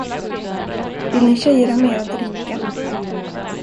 Vill ni tjejer ha mer att dricka?